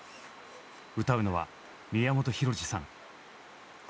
歌うのは宮本浩次さん。